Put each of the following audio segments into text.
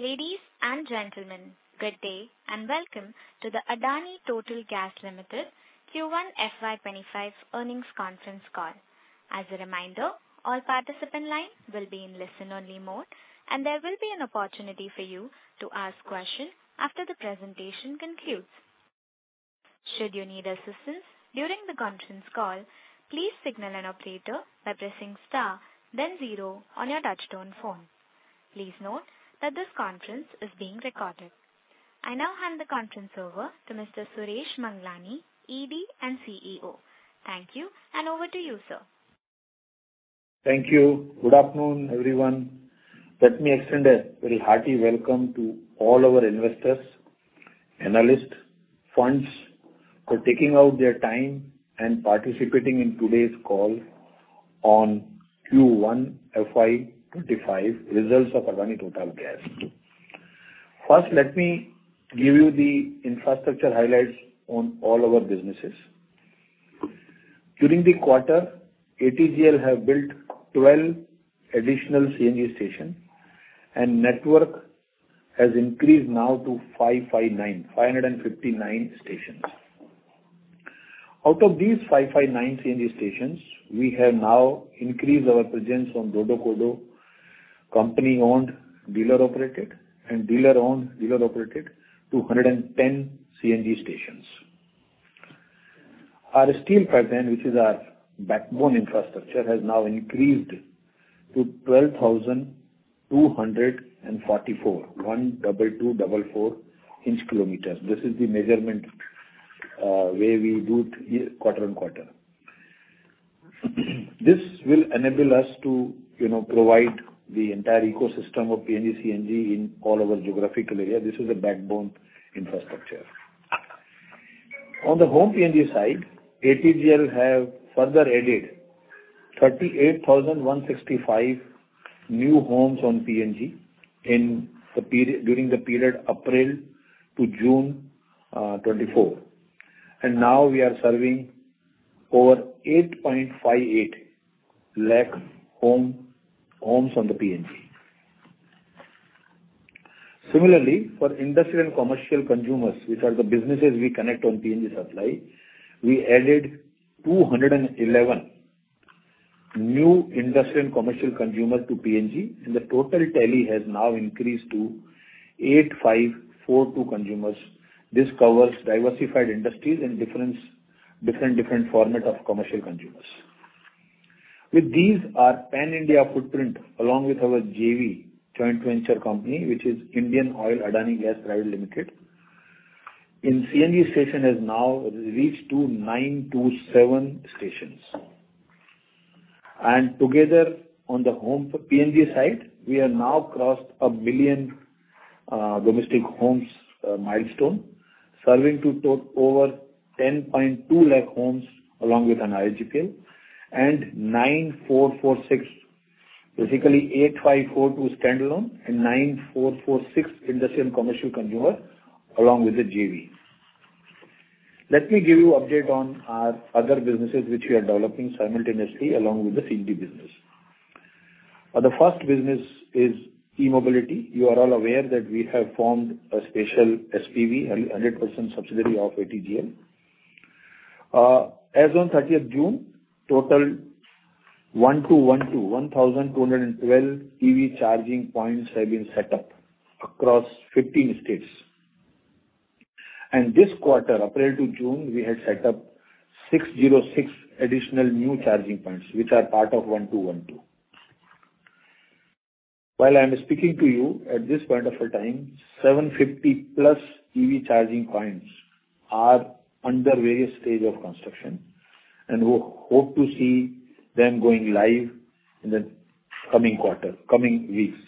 Ladies and gentlemen, good day and welcome to the Adani Total Gas Limited Q1 FY25 earnings conference call. As a reminder, all participant lines will be in listen-only mode, and there will be an opportunity for you to ask questions after the presentation concludes. Should you need assistance during the conference call, please signal an operator by pressing star, then zero on your touch-tone phone. Please note that this conference is being recorded. I now hand the conference over to Mr. Suresh Manglani, ED and CEO. Thank you, and over to you, sir. Thank you. Good afternoon, everyone. Let me extend a very hearty welcome to all our investors, analysts, and funds for taking out their time and participating in today's call on Q1 FY25 results of Adani Total Gas. First, let me give you the infrastructure highlights on all our businesses. During the quarter, ATGL has built 12 additional CNG stations, and network has increased now to 559 stations. Out of these 559 CNG stations, we have now increased our presence on CODO, company-owned, dealer-operated, and DODO, dealer-owned, dealer-operated to 110 CNG stations. Our steel pipeline, which is our backbone infrastructure, has now increased to 12,244 inch kilometers. This is the measurement way we do quarter on quarter. This will enable us to provide the entire ecosystem of PNG CNG in all our geographical area. This is a backbone infrastructure. On the home PNG side, ATGL has further added 38,165 new homes on PNG during the period April to June 2024. Now we are serving over 8.58 lakh homes on the PNG. Similarly, for industrial and commercial consumers, which are the businesses we connect on PNG supply, we added 211 new industrial and commercial consumers to PNG, and the total tally has now increased to 8,542 consumers. This covers diversified industries and different forms of commercial consumers. With these, our pan-India footprint, along with our JV joint venture company, which is Indian Oil Adani Gas Private Limited, in CNG station has now reached 2,927 stations. Together, on the home PNG side, we have now crossed a million domestic homes milestone, serving to over 10.2 lakh homes along with an IOAGPL and 9,446, basically 8,542 standalone and 9,446 industrial and commercial consumer along with the JV. Let me give you an update on our other businesses which we are developing simultaneously along with the CNG business. The first business is e-mobility. You are all aware that we have formed a special SPV, a 100% subsidiary of ATGL. As of 30th June, total 1,212 EV charging points have been set up across 15 states. This quarter, April to June, we had set up 606 additional new charging points, which are part of 1,212. While I am speaking to you, at this point of time, 750+ EV charging points are under various stages of construction, and we hope to see them going live in the coming quarter, coming weeks.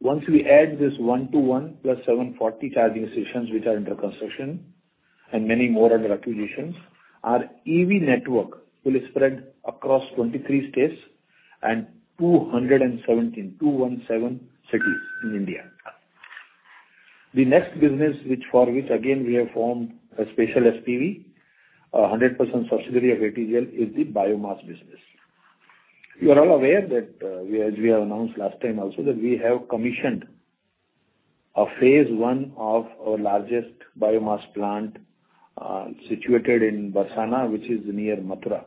Once we add this 1,212 + 740 charging stations, which are under construction and many more under acquisition, our EV network will spread across 23 states and 217 cities in India. The next business for which, again, we have formed a special SPV, a 100% subsidiary of ATGL, is the biomass business. You are all aware that, as we have announced last time also, that we have commissioned a phase 1 of our largest biomass plant situated in Barsana, which is near Mathura.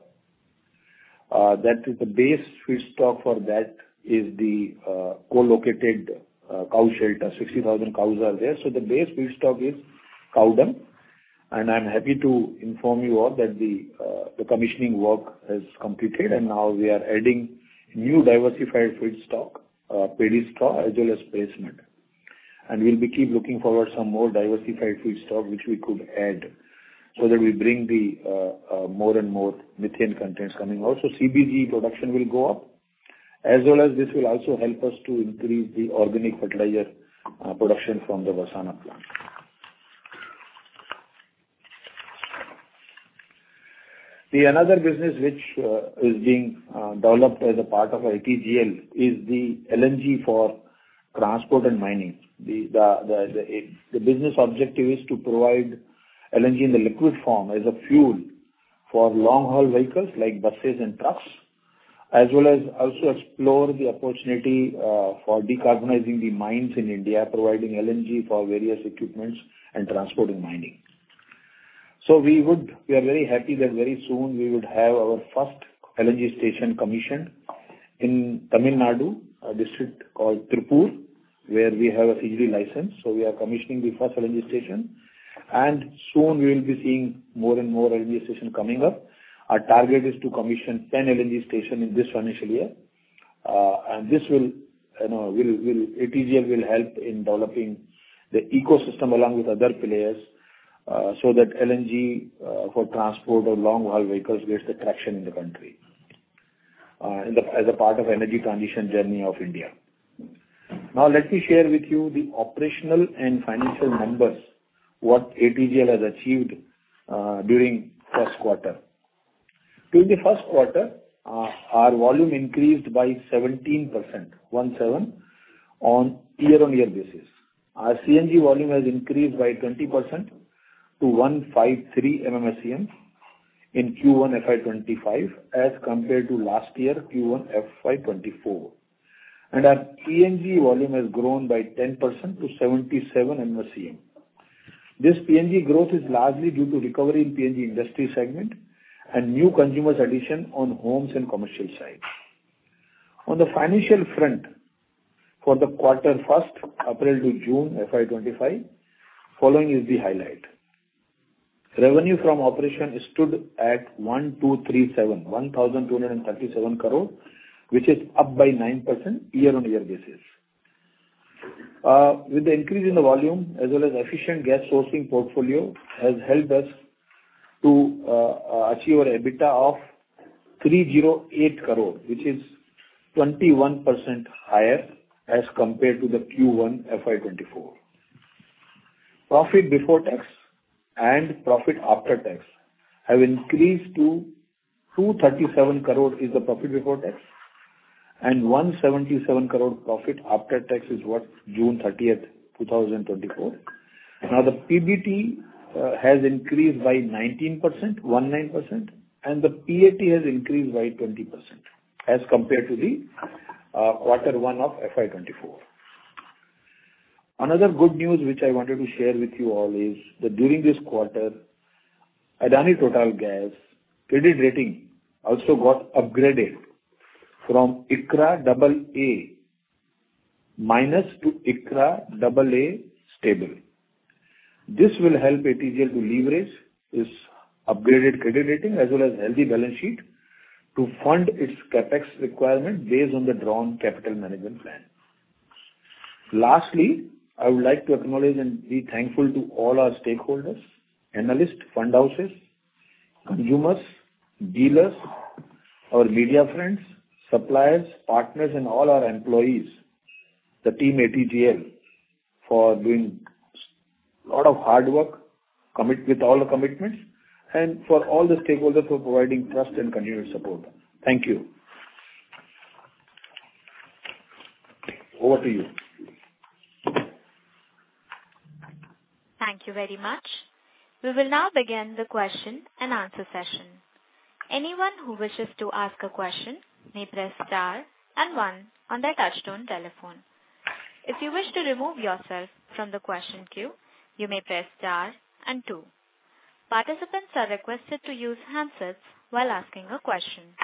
That is the base feedstock for that is the co-located cow shelter. 60,000 cows are there. So the base feedstock is cow dung. And I'm happy to inform you all that the commissioning work has completed, and now we are adding new diversified feedstock, paddy straw as well as pressmud. And we'll keep looking forward to some more diversified feedstock which we could add so that we bring the more and more methane contents coming out. So CBG production will go up, as well as this will also help us to increase the organic fertilizer production from the Barsana plant. The another business which is being developed as a part of ATGL is the LNG for transport and mining. The business objective is to provide LNG in the liquid form as a fuel for long-haul vehicles like buses and trucks, as well as also explore the opportunity for decarbonizing the mines in India, providing LNG for various equipments and transport and mining. So we are very happy that very soon we would have our first LNG station commissioned in Tamil Nadu, a district called Tirupur, where we have a CG license. So we are commissioning the first LNG station. And soon we will be seeing more and more LNG stations coming up. Our target is to commission 10 LNG stations in this financial year. This will, ATGL will help in developing the ecosystem along with other players so that LNG for transport or long-haul vehicles gets the traction in the country as a part of the energy transition journey of India. Now, let me share with you the operational and financial numbers, what ATGL has achieved during the first quarter. During the first quarter, our volume increased by 17%, 17% on year-on-year basis. Our CNG volume has increased by 20% to 153 MMSEM in Q1 FY25 as compared to last year Q1 FY24. And our PNG volume has grown by 10% to 77 MMSEM. This PNG growth is largely due to recovery in the PNG industry segment and new consumers' addition on homes and commercial side. On the financial front, for the first quarter, April to June FY25, following is the highlight. Revenue from operations stood at 1,237 crore, which is up 9% year-on-year. With the increase in the volume, as well as efficient gas sourcing portfolio, has helped us to achieve an EBITDA of 308 crore, which is 21% higher as compared to the Q1 FY24. Profit before tax and profit after tax have increased to 237 crore, which is the profit before tax, and 177 crore profit after tax is what June 30th, 2024. Now, the PBT has increased by 19%, 19%, and the PAT has increased by 20% as compared to the quarter one of FY24. Another good news which I wanted to share with you all is that during this quarter, Adani Total Gas credit rating also got upgraded from ICRA AA minus to ICRA AA stable. This will help ATGL to leverage its upgraded credit rating as well as healthy balance sheet to fund its CapEx requirement based on the drawn capital management plan. Lastly, I would like to acknowledge and be thankful to all our stakeholders, analysts, fund houses, consumers, dealers, our media friends, suppliers, partners, and all our employees, the team ATGL for doing a lot of hard work, commit with all the commitments, and for all the stakeholders for providing trust and continued support. Thank you. Over to you. Thank you very much. We will now begin the question and answer session. Anyone who wishes to ask a question may press star and one on their touch-tone telephone. If you wish to remove yourself from the question queue, you may press star and two. Participants are requested to use handsets while asking a question.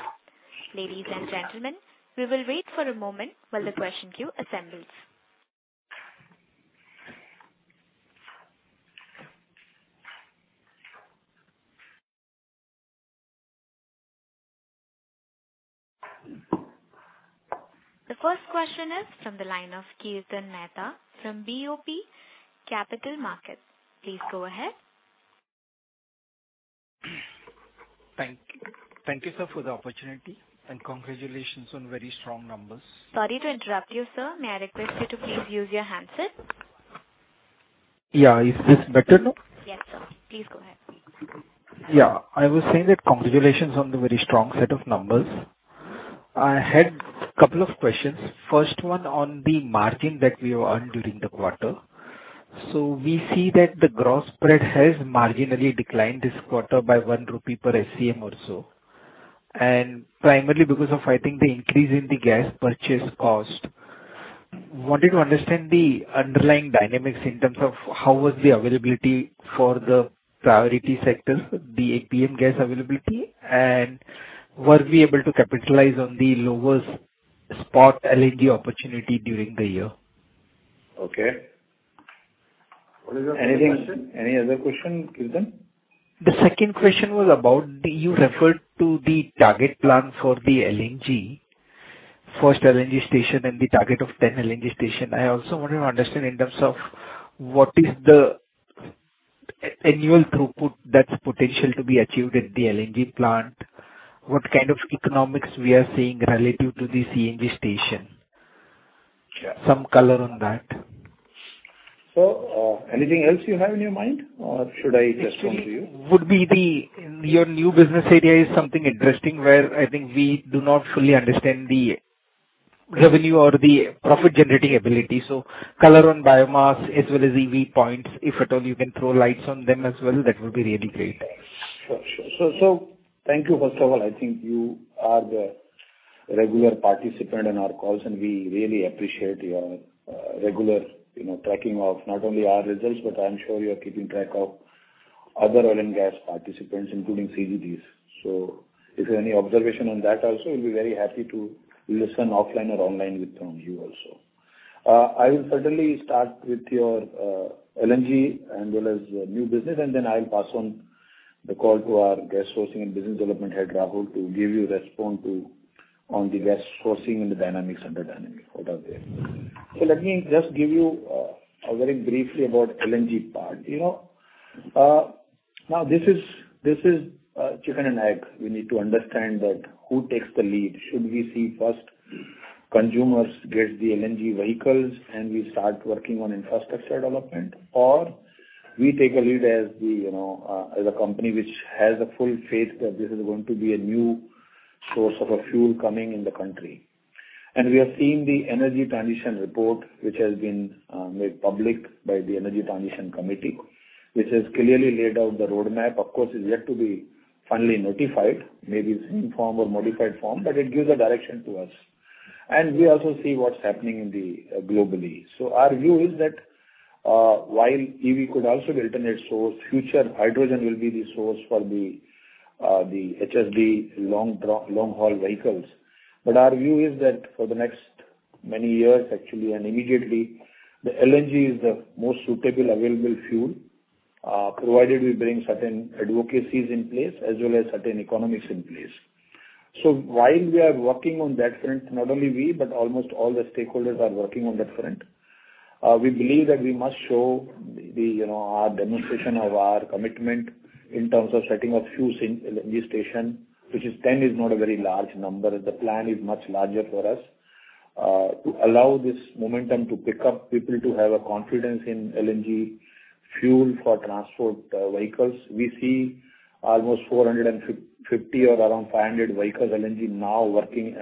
Ladies and gentlemen, we will wait for a moment while the question queue assembles. The first question is from the line of Kirtan Mehta from BOB Capital Markets. Please go ahead. Thank you, sir, for the opportunity, and congratulations on very strong numbers. Sorry to interrupt you, sir. May I request you to please use your handset? Yeah. Is this better now? Yes, sir. Please go ahead. Yeah. I was saying that congratulations on the very strong set of numbers. I had a couple of questions. First one on the margin that we have earned during the quarter. So we see that the gross spread has marginally declined this quarter by 1 rupee per SCM or so, and primarily because of, I think, the increase in the gas purchase cost. Wanted to understand the underlying dynamics in terms of how was the availability for the priority sectors, the APM gas availability, and were we able to capitalize on the lowest spot LNG opportunity during the year? Okay. Any other question, Keerthan? The second question was about you referred to the target plan for the LNG, first LNG station and the target of 10 LNG stations. I also wanted to understand in terms of what is the annual throughput that's potential to be achieved at the LNG plant, what kind of economics we are seeing relative to the CNG station. Some color on that. Anything else you have in your mind, or should I just come to you? Would be your new business area is something interesting where I think we do not fully understand the revenue or the profit-generating ability. So color on biomass as well as EV points, if at all you can throw lights on them as well, that would be really great. Sure. Sure. So thank you. First of all, I think you are the regular participant in our calls, and we really appreciate your regular tracking of not only our results, but I'm sure you're keeping track of other oil and gas participants, including CGTs. So if you have any observation on that, I also will be very happy to listen offline or online with you also. I will certainly start with your LNG as well as new business, and then I'll pass on the call to our gas sourcing and business development head, Rahul, to give you a response on the gas sourcing and the dynamics under dynamics, what are there. So let me just give you a very briefly about LNG part. Now, this is chicken and egg. We need to understand that who takes the lead. Should we see first consumers get the LNG vehicles and we start working on infrastructure development, or we take a lead as a company which has a full faith that this is going to be a new source of fuel coming in the country? And we have seen the energy transition report, which has been made public by the Energy Transition Committee, which has clearly laid out the roadmap. Of course, it's yet to be finally notified, maybe in some form or modified form, but it gives a direction to us. And we also see what's happening globally. So our view is that while EV could also be an alternate source, future hydrogen will be the source for the HSD long-haul vehicles. But our view is that for the next many years, actually, and immediately, the LNG is the most suitable available fuel, provided we bring certain advocacies in place as well as certain economics in place. So while we are working on that front, not only we, but almost all the stakeholders are working on that front. We believe that we must show our demonstration of our commitment in terms of setting up few LNG stations, which is 10 is not a very large number. The plan is much larger for us to allow this momentum to pick up people to have a confidence in LNG fuel for transport vehicles. We see almost 450 or around 500 vehicles LNG now working,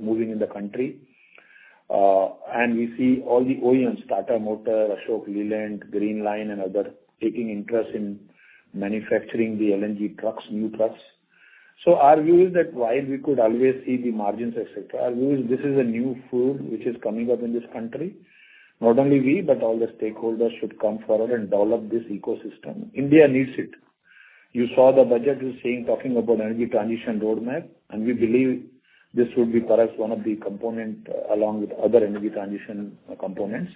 moving in the country. And we see all the OEMs, Tata Motors, Ashok Leyland, GreenLine, and others taking interest in manufacturing the LNG trucks, new trucks. So our view is that while we could always see the margins, etc., our view is this is a new fuel which is coming up in this country. Not only we, but all the stakeholders should come forward and develop this ecosystem. India needs it. You saw the budget is talking about energy transition roadmap, and we believe this would be perhaps one of the components along with other energy transition components.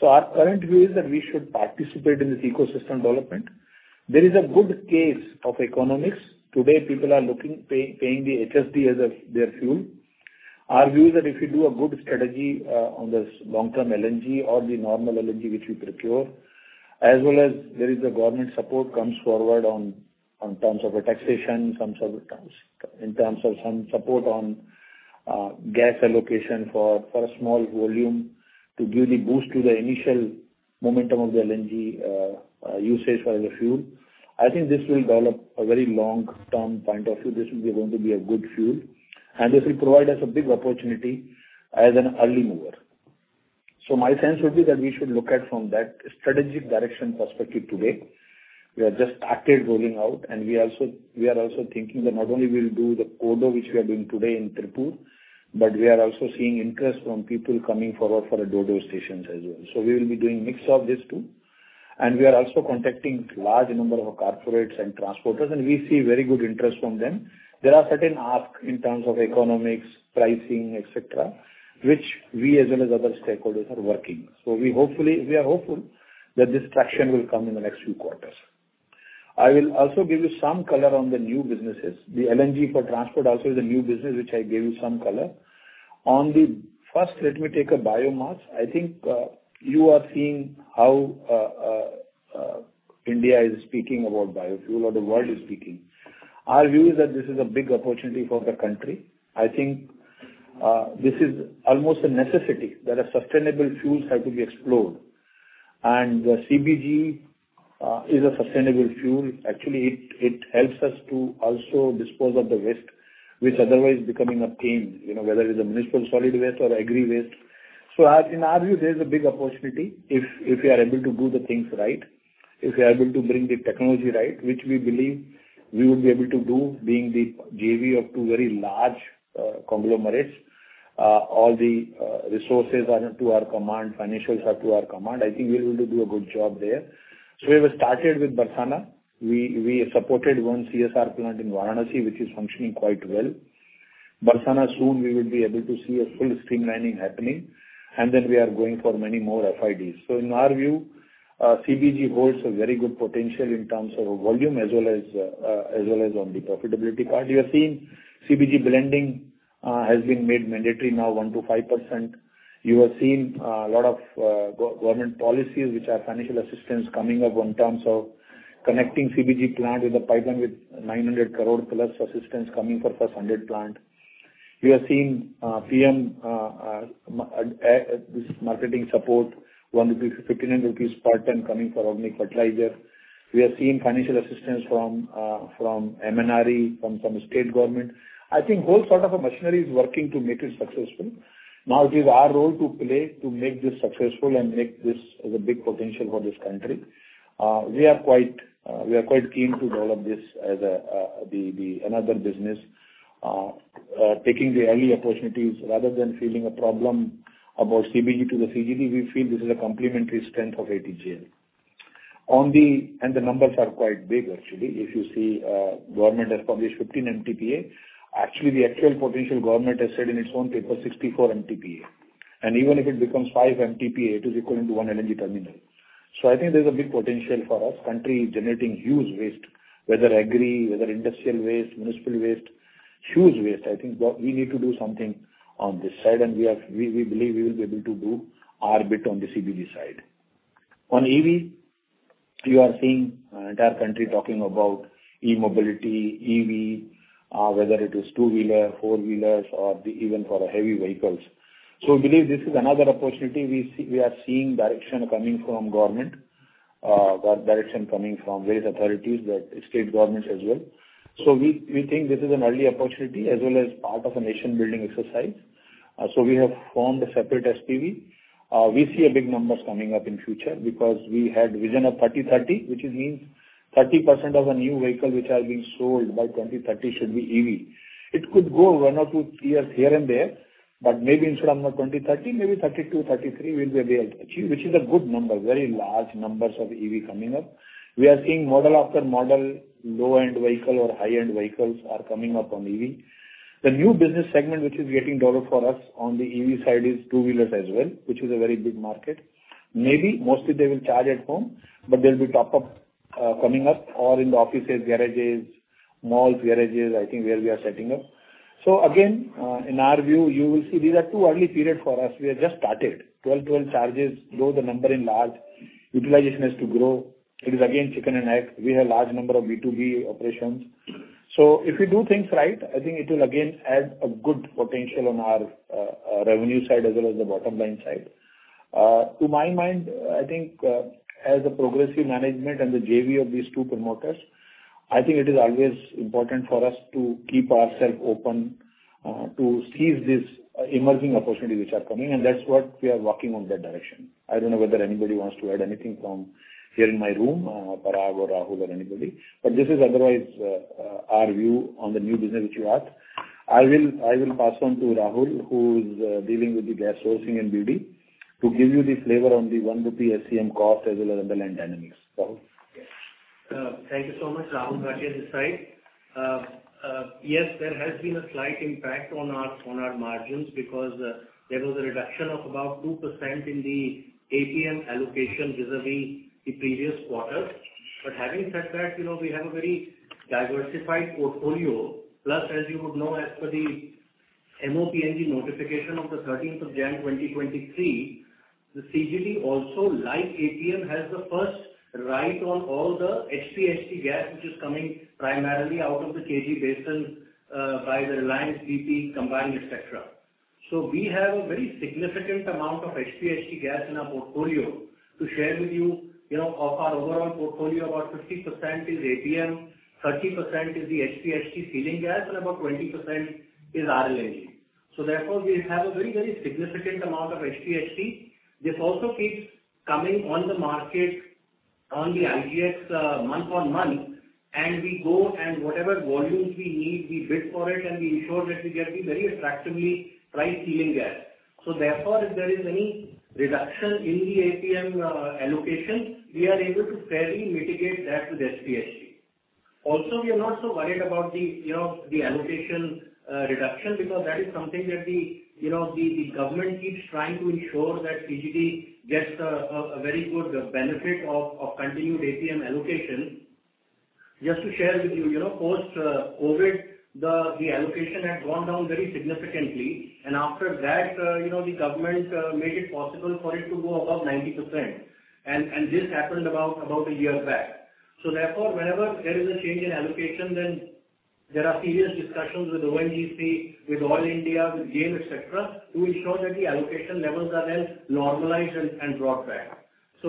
So our current view is that we should participate in this ecosystem development. There is a good case of economics. Today, people are looking, paying the HSD as their fuel. Our view is that if you do a good strategy on the long-term LNG or the normal LNG which we procure, as well as there is the government support comes forward on terms of a taxation, in terms of some support on gas allocation for a small volume to give the boost to the initial momentum of the LNG usage for the fuel. I think this will develop a very long-term point of view. This will be going to be a good fuel, and this will provide us a big opportunity as an early mover. So my sense would be that we should look at from that strategic direction perspective today. We are just started rolling out, and we are also thinking that not only we'll do the CODO, which we are doing today in Tirupur, but we are also seeing interest from people coming forward for the DODO stations as well. So we will be doing a mix of these two. And we are also contacting a large number of corporates and transporters, and we see very good interest from them. There are certain asks in terms of economics, pricing, etc., which we as well as other stakeholders are working. So we are hopeful that this traction will come in the next few quarters. I will also give you some color on the new businesses. The LNG for transport also is a new business, which I gave you some color. On the first, let me take a biomass. I think you are seeing how India is speaking about biofuel or the world is speaking. Our view is that this is a big opportunity for the country. I think this is almost a necessity that sustainable fuels have to be explored. The CBG is a sustainable fuel. Actually, it helps us to also dispose of the waste, which otherwise is becoming a pain, whether it's the municipal solid waste or agri waste. So in our view, there is a big opportunity if we are able to do the things right, if we are able to bring the technology right, which we believe we would be able to do being the JV of two very large conglomerates. All the resources are to our command, financials are to our command. I think we will do a good job there. So we have started with Bharsana. We supported one CSR plant in Varanasi, which is functioning quite well. Bharsana, soon we will be able to see a full streamlining happening, and then we are going for many more FIDs. So in our view, CBG holds a very good potential in terms of volume as well as on the profitability part. You have seen CBG blending has been made mandatory now, 1%-5%. You have seen a lot of government policies, which are financial assistance coming up in terms of connecting CBG plant with the pipeline with 900 crore plus assistance coming for first 100 plant. You have seen PM marketing support, 1,500 rupees per ton coming for organic fertilizer. We have seen financial assistance from MNRE, from some state government. I think whole sort of machinery is working to make it successful. Now it is our role to play to make this successful and make this a big potential for this country. We are quite keen to develop this as another business, taking the early opportunities rather than feeling a problem about CBG to the CGD. We feel this is a complementary strength of ATGL. And the numbers are quite big, actually. If you see, government has published 15 MTPA. Actually, the actual potential government has said in its own paper, 64 MTPA. And even if it becomes 5 MTPA, it is equal to one LNG terminal. So I think there's a big potential for us, country generating huge waste, whether agri, whether industrial waste, municipal waste, huge waste. I think we need to do something on this side, and we believe we will be able to do our bit on the CBG side. On EV, you are seeing the entire country talking about e-mobility, EV, whether it is two-wheeler, four-wheelers, or even for heavy vehicles. So we believe this is another opportunity. We are seeing direction coming from government, direction coming from various authorities, state governments as well. So we think this is an early opportunity as well as part of a nation-building exercise. So we have formed a separate SPV. We see big numbers coming up in future because we had vision of 3030, which means 30% of a new vehicle which are being sold by 2030 should be EV. It could go one or two years here and there, but maybe instead of 2030, maybe 2032, 2033, we'll be able to achieve, which is a good number, very large numbers of EV coming up. We are seeing model after model, low-end vehicle or high-end vehicles are coming up on EV. The new business segment, which is getting developed for us on the EV side, is two-wheelers as well, which is a very big market. Maybe mostly they will charge at home, but there will be top-up coming up or in the offices, garages, malls, garages, I think where we are setting up. So again, in our view, you will see these are two early periods for us. We have just started. 12, 12 chargers, low, the number is large. Utilization has to grow. It is again chicken and egg. We have a large number of B2B operations. So if we do things right, I think it will again add a good potential on our revenue side as well as the bottom line side. To my mind, I think as a progressive management and the JV of these two promoters, I think it is always important for us to keep ourselves open to seize these emerging opportunities which are coming. That's what we are working on that direction. I don't know whether anybody wants to add anything from here in my room, Parag or Rahul or anybody. This is otherwise our view on the new business which we are. I will pass on to Rahul, who is dealing with the gas sourcing and BD, to give you the flavor on the ₹1 SCM cost as well as underlying dynamics. Rahul? Thank you so much, Rahul. Got you on this side. Yes, there has been a slight impact on our margins because there was a reduction of about 2% in the APM allocation vis-à-vis the previous quarter. But having said that, we have a very diversified portfolio. Plus, as you would know, as per the MOPNG notification of the 13th of January 2023, the CGT, also like APM, has the first right on all the HPHT gas, which is coming primarily out of the KG basin by the Reliance BP Combined, etc. So we have a very significant amount of HPHT gas in our portfolio. To share with you, of our overall portfolio, about 50% is APM, 30% is the HPHT ceiling gas, and about 20% is RLNG. So therefore, we have a very, very significant amount of HPHT. This also keeps coming on the market on the IGX month-on-month, and we go and whatever volumes we need, we bid for it, and we ensure that we get the very attractively priced ceiling gas. So therefore, if there is any reduction in the APM allocation, we are able to fairly mitigate that with HPHT. Also, we are not so worried about the allocation reduction because that is something that the government keeps trying to ensure that CGD gets a very good benefit of continued APM allocation. Just to share with you, post-COVID, the allocation had gone down very significantly. After that, the government made it possible for it to go above 90%. And this happened about a year back. So therefore, whenever there is a change in allocation, then there are serious discussions with ONGC, with Oil India, with GAIL, etc., to ensure that the allocation levels are then normalized and brought back.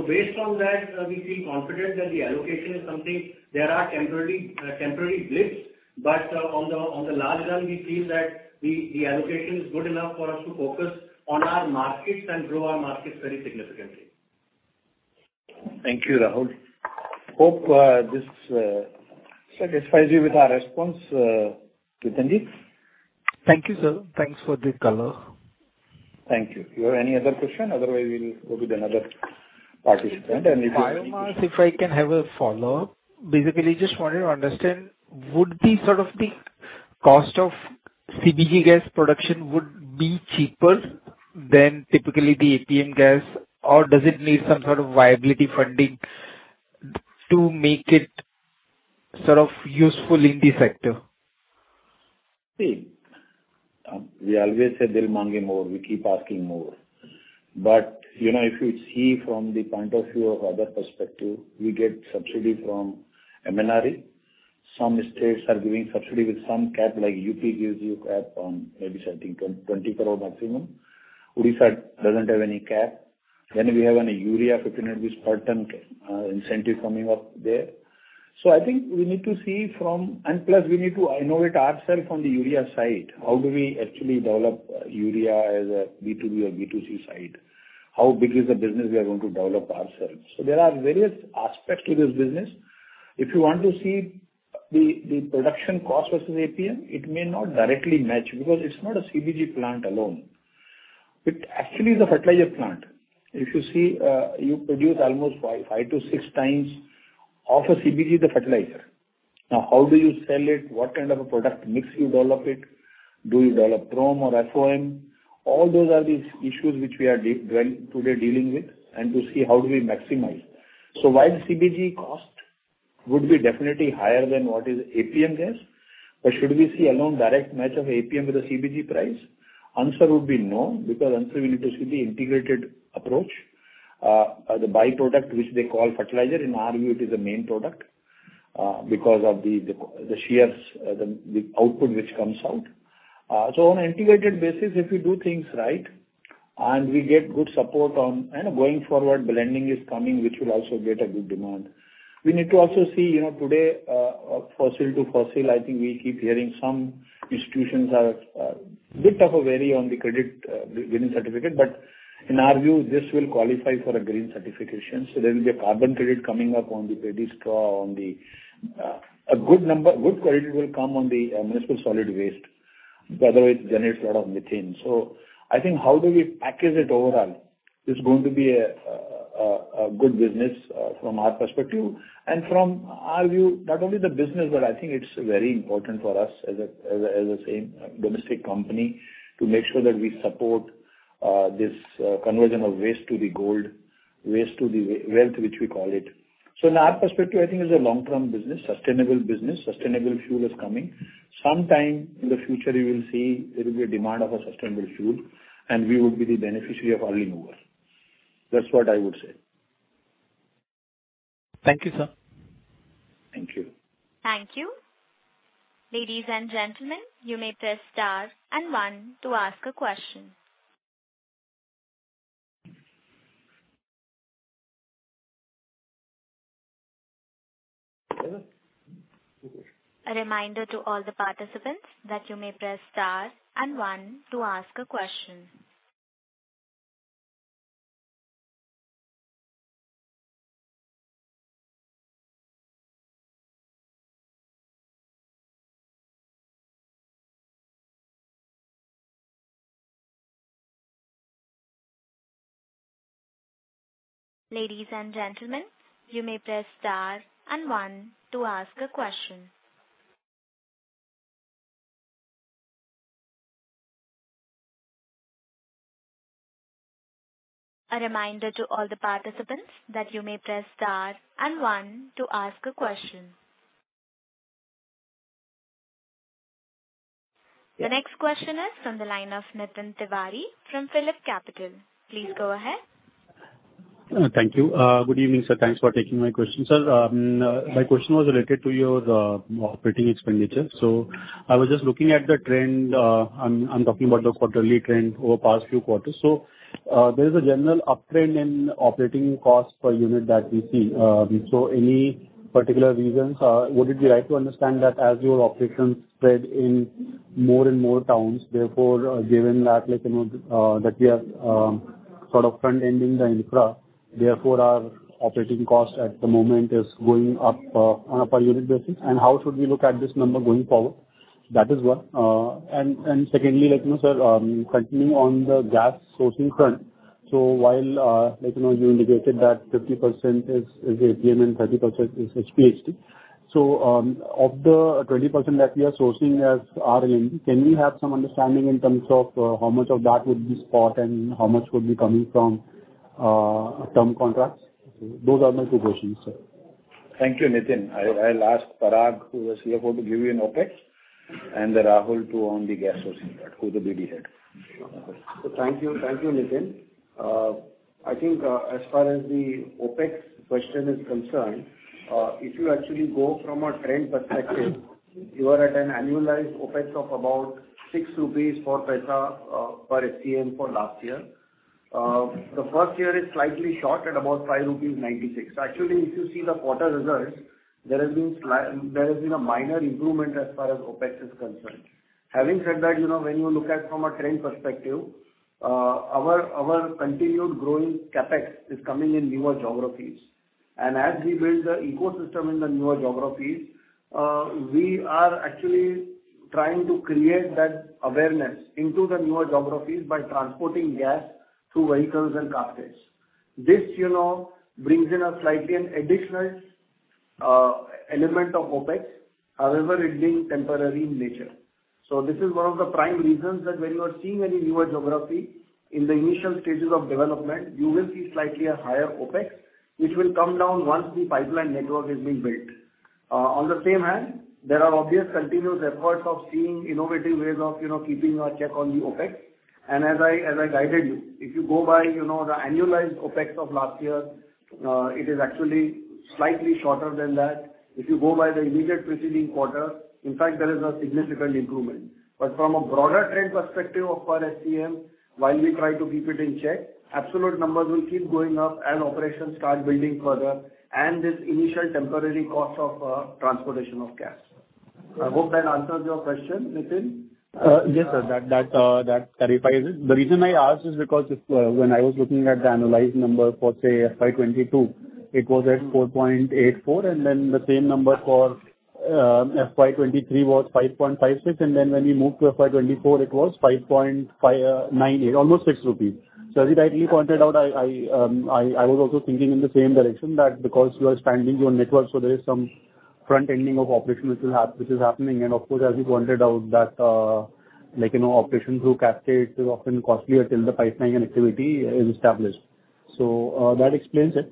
Based on that, we feel confident that the allocation is something there are temporary blips, but in the long run, we feel that the allocation is good enough for us to focus on our markets and grow our markets very significantly. Thank you, Rahul. Hope this satisfies you with our response, Kirtan-ji. Thank you, sir. Thanks for the color. Thank you. You have any other question? Otherwise, we'll go with another participant. And if you... Biomass, if I can have a follow-up. Basically, just wanted to understand, would the cost of CBG gas production be cheaper than typically the APM gas, or does it need some sort of viability funding to make it sort of useful in this sector? See, we always say they'll manage more. We keep asking more. But if you see from the point of view of another perspective, we get subsidy from MNRE. Some states are giving subsidy with some cap, like UP gives you cap on maybe getting 20 crore maximum. Urea doesn't have any cap. Then we have a urea 1,500 rupees per ton incentive coming up there. So I think we need to see from, and plus we need to innovate ourselves on the urea side. How do we actually develop urea as a B2B or B2C side? How big is the business we are going to develop ourselves? So there are various aspects to this business. If you want to see the production cost versus APM, it may not directly match because it's not a CBG plant alone. It actually is a fertilizer plant. If you see, you produce almost 5-6 times of a CBG, the fertilizer. Now, how do you sell it? What kind of a product mix you develop it? Do you develop PROM or FOM? All those are the issues which we are today dealing with and to see how do we maximize. So while CBG cost would be definitely higher than what is APM gas, but should we see a long direct match of APM with the CBG price? Answer would be no because answer we need to see the integrated approach, the byproduct which they call fertilizer. In our view, it is the main product because of the shears, the output which comes out. So on an integrated basis, if we do things right and we get good support on going forward, blending is coming, which will also get a good demand. We need to also see today, fossil to fossil. I think we keep hearing some institutions are a bit of a worry on the credit green certificate, but in our view, this will qualify for a green certification. So there will be a carbon credit coming up on the paddy straw. On the good credit will come on the municipal solid waste. By the way, it generates a lot of methane. So I think how do we package it overall? It's going to be a good business from our perspective. And from our view, not only the business, but I think it's very important for us as a domestic company to make sure that we support this conversion of waste to the gold, waste to the wealth, which we call it. So in our perspective, I think it's a long-term business, sustainable business. Sustainable fuel is coming. Sometime in the future, you will see there will be a demand of a sustainable fuel, and we will be the beneficiary of early movers. That's what I would say. Thank you, sir. Thank you. Thank you. Ladies and gentlemen, you may press star and one to ask a question. A reminder to all the participants that you may press star and one to ask a question. Ladies and gentlemen, you may press star and one to ask a question. A reminder to all the participants that you may press star and one to ask a question. The next question is from the line of Nitin Tiwari from PhillipCapital. Please go ahead. Thank you. Good evening, sir. Thanks for taking my question, sir. My question was related to your operating expenditure. So I was just looking at the trend. I'm talking about the quarterly trend over past few quarters. So there is a general uptrend in operating costs per unit that we see. So any particular reasons, would it be right to understand that as your operations spread in more and more towns, therefore, given that we are sort of front-ending the infra, therefore our operating cost at the moment is going up on a per unit basis? And how should we look at this number going forward? That is one. And secondly, sir, continuing on the gas sourcing front. So while you indicated that 50% is APM and 30% is HPHT. So of the 20% that we are sourcing as RLNG, can we have some understanding in terms of how much of that would be spot and how much would be coming from term contracts? So those are my two questions, sir. Thank you, Nitin. I'll ask Parag, who is a CFO, to give you an OPEX, and Rahul to own the gas sourcing part, who is a BD head. So thank you, Nitin. I think as far as the OPEX question is concerned, if you actually go from a trend perspective, you are at an annualized OPEX of about ₹6 per SCM for last year. The first year is slightly short at about ₹5.96. Actually, if you see the quarter results, there has been a minor improvement as far as OPEX is concerned. Having said that, when you look at from a trend perspective, our continued growing CapEx is coming in newer geographies. And as we build the ecosystem in the newer geographies, we are actually trying to create that awareness into the newer geographies by transporting gas through vehicles and carpets. This brings in a slightly additional element of OPEX, however, it being temporary in nature. So this is one of the prime reasons that when you are seeing any newer geography in the initial stages of development, you will see slightly a higher OPEX, which will come down once the pipeline network is being built. On the same hand, there are obvious continuous efforts of seeing innovative ways of keeping a check on the OPEX. And as I guided you, if you go by the annualized OPEX of last year, it is actually slightly shorter than that. If you go by the immediate preceding quarter, in fact, there is a significant improvement. But from a broader trend perspective of our SCM, while we try to keep it in check, absolute numbers will keep going up as operations start building further and this initial temporary cost of transportation of gas. I hope that answers your question, Nitin. Yes, sir. That clarifies it. The reason I asked is because when I was looking at the annualized number for, say, FY22, it was at 4.84, and then the same number for FY23 was 5.56, and then when we moved to FY24, it was 5.98, almost ₹6. So as you rightly pointed out, I was also thinking in the same direction that because you are expanding your network, so there is some front-ending of operation which is happening. And of course, as you pointed out, that operation through cascades is often costlier till the pipeline connectivity is established. So that explains it.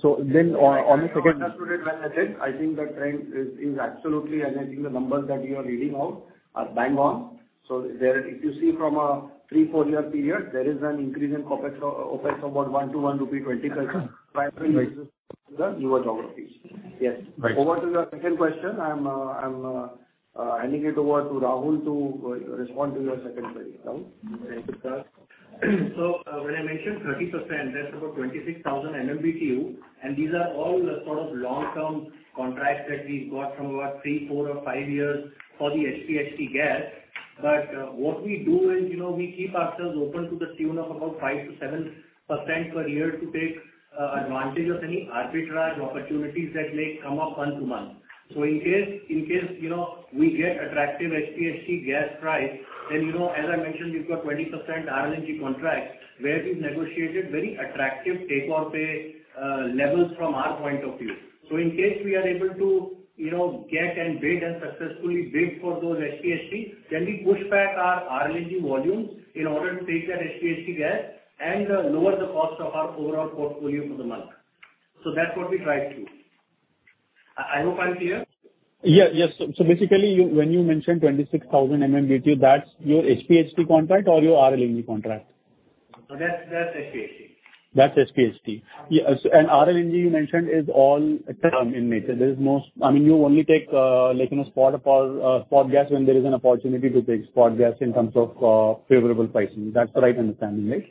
So then on the second. I think that trend is absolutely, and I think the numbers that you are reading out are bang on. So if you see from a 3- to 4-year period, there is an increase in OPEX of about ₹1-₹1.20 per ton prior to the newer geographies. Yes. Over to your second question, I'm handing it over to Rahul to respond to your second question. Rahul? Thank you, sir. So when I mentioned 30%, that's about 26,000 MMBtu, and these are all sort of long-term contracts that we've got from about 3, 4, or 5 years for the HPHT gas. But what we do is we keep ourselves open to the tune of about 5%-7% per year to take advantage of any arbitrage opportunities that may come up month to month. So in case we get attractive HPHT gas price, then as I mentioned, we've got 20% RLNG contract where we've negotiated very attractive take-or-pay levels from our point of view. So in case we are able to get and bid and successfully bid for those HPHT, then we push back our RLNG volumes in order to take that HPHT gas and lower the cost of our overall portfolio for the month. So that's what we try to do. I hope I'm clear. Yeah, yes. So basically, when you mentioned 26,000 MMBTU, that's your HPHT contract or your RLNG contract? That's HPHT. That's HPHT. And RLNG you mentioned is all term in nature. There is no, I mean, you only take spot gas when there is an opportunity to take spot gas in terms of favorable pricing. That's the right understanding, right?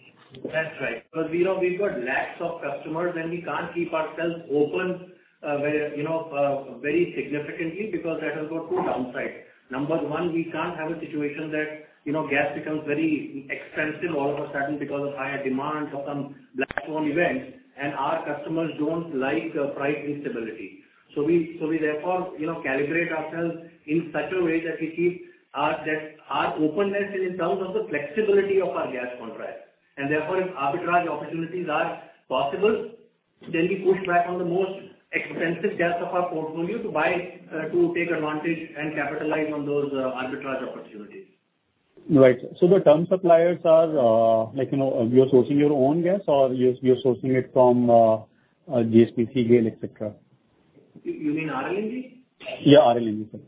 That's right. Because we've got lakhs of customers, and we can't keep ourselves open very significantly because that has got two downsides. Number one, we can't have a situation that gas becomes very expensive all of a sudden because of higher demand for some black swan events, and our customers don't like price instability. So we therefore calibrate ourselves in such a way that we keep our openness in terms of the flexibility of our gas contract. And therefore, if arbitrage opportunities are possible, then we push back on the most expensive gas of our portfolio to take advantage and capitalize on those arbitrage opportunities. Right. So the term suppliers are, you're sourcing your own gas or you're sourcing it from GSPC, GAIL, etc.? You mean RLNG? Yeah, RLNG, sir.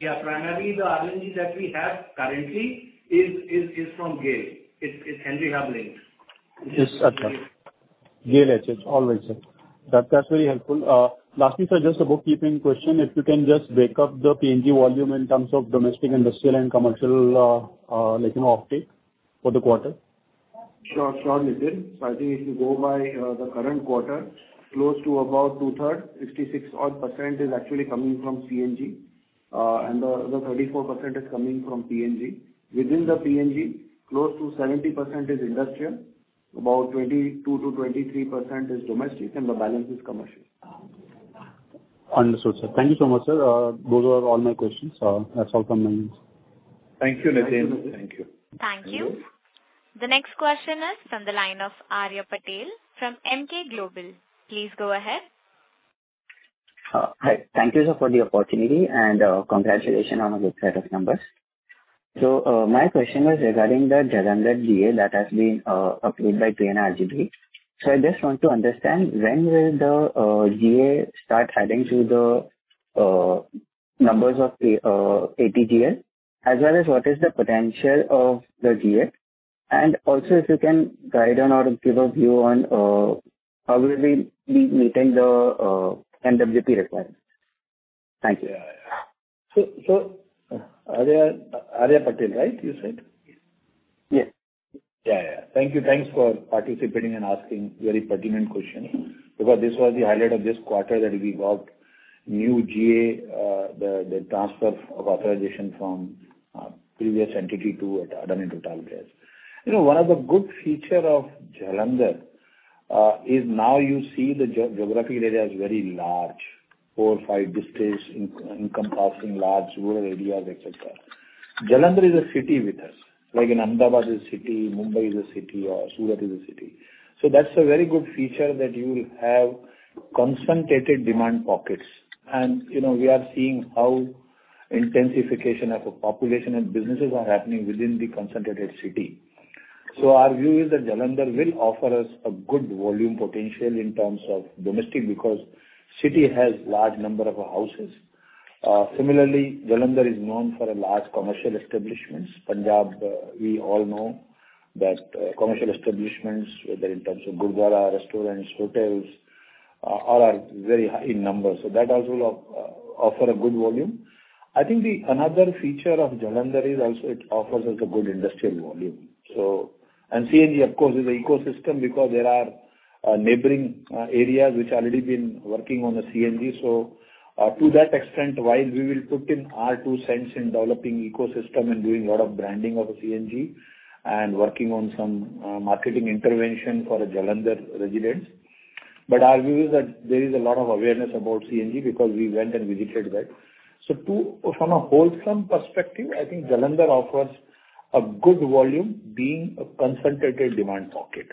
Yeah. Primarily, the RLNG that we have currently is from GAIL. It's Henry Hub linked. Yes, sir. GAIL, alright, sir. That's very helpful. Lastly, sir, just a bookkeeping question. If you can just break up the PNG volume in terms of domestic industrial and commercial offtake for the quarter? Sure, sure, Nitin. So I think if you go by the current quarter, close to about two-thirds, 66% is actually coming from PNG, and the other 34% is coming from PNG. Within the PNG, close to 70% is industrial, about 22%-23% is domestic, and the balance is commercial. Understood, sir. Thank you so much, sir. Those are all my questions. That's all from my end. Thank you, Nitin. Thank you. Thank you. The next question is from the line of Arya Patel from Emkay Global. Please go ahead. Hi. Thank you, sir, for the opportunity, and congratulations on a good set of numbers. So my question was regarding the Jalandhar GA that has been approved by PNGRB. So I just want to understand when will the GA start adding to the numbers of ATGL, as well as what is the potential of the GA? And also, if you can guide on or give a view on how will we be meeting the MWP requirements? Thank you. Arya Patel, right, you said? Yes. Yeah, yeah. Thank you. Thanks for participating and asking very pertinent questions because this was the highlight of this quarter that we got new GA, the transfer of authorization from previous entity to Adani Total Gas. One of the good features of Jalandhar is now you see the geographical area is very large, four, five districts, encompassing large rural areas, etc. Jalandhar is a city with us. Like in Ahmedabad is a city, Mumbai is a city, or Surat is a city. So that's a very good feature that you will have concentrated demand pockets. And we are seeing how intensification of population and businesses are happening within the concentrated city. So our view is that Jalandhar will offer us a good volume potential in terms of domestic because the city has a large number of houses. Similarly, Jalandhar is known for large commercial establishments. Punjab, we all know that commercial establishments, whether in terms of Gurdwara, restaurants, hotels, all are very high in numbers. So that also will offer a good volume. I think the another feature of Jalandhar is also it offers us a good industrial volume. And CNG, of course, is an ecosystem because there are neighboring areas which have already been working on the CNG. So to that extent, while we will put in our two cents in developing ecosystem and doing a lot of branding of CNG and working on some marketing intervention for Jalandhar residents. But our view is that there is a lot of awareness about CNG because we went and visited there. So from a wholesome perspective, I think Jalandhar offers a good volume being a concentrated demand pocket.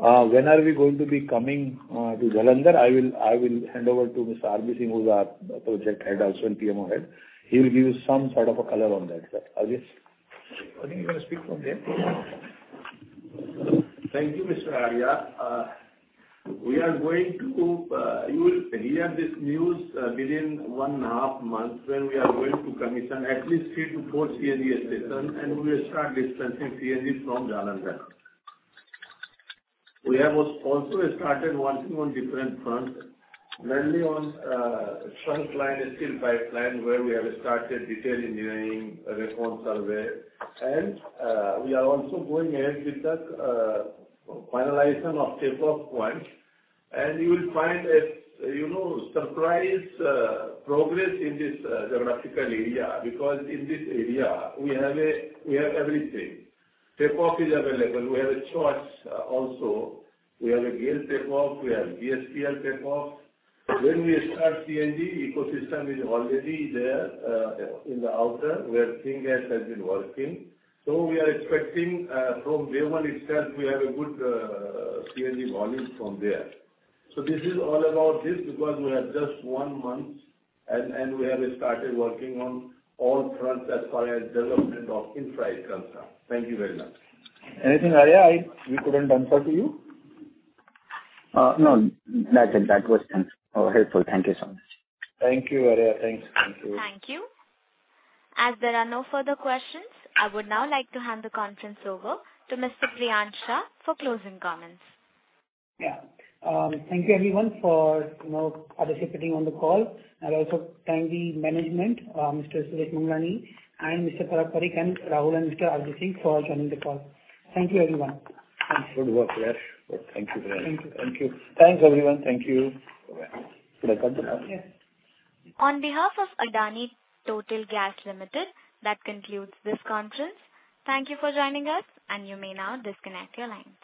When are we going to be coming to Jalandhar? I will hand over to Mr. Arbisi, who's our project head also in PMO head. He will give you some sort of a color on that. Arbisi. I think you're going to speak from there. Thank you, Mr. Arya. We are going to hear this news within 1.5 months when we are going to commission at least 3-4 CNG stations, and we will start dispensing CNG from Jalandhar. We have also started working on different fronts, mainly on trunk line and steel pipeline, where we have started detail engineering, recon survey. And we are also going ahead with the finalization of takeoff points. And you will find a surprise progress in this geographical area because in this area, we have everything. Takeoff is available. We have a choice also. We have a GAIL takeoff. We have a GSPL takeoff. When we start CNG, the ecosystem is already there in the area where PNG has been working. So we are expecting from day one itself, we have a good CNG volume from there. This is all about this because we have just one month, and we have started working on all fronts as far as development of infra it comes up. Thank you very much. Anything, Arya? We couldn't answer to you? No, that was helpful. Thank you so much. Thank you, Arya. Thanks. Thank you. Thank you. As there are no further questions, I would now like to hand the conference over to Mr. Priyansh Shah for closing comments. Yeah. Thank you, everyone, for participating on the call. I'd also like to thank the management, Mr. Suresh Manglani, and Mr. Parag Parikh, and Rahul and Mr. Arbisi for joining the call. Thank you, everyone. Good work, yes. Thank you very much. Thank you. Thank you. Thanks, everyone. Thank you. Bye-bye. Good. On behalf of Adani Total Gas Limited, that concludes this conference. Thank you for joining us, and you may now disconnect your lines.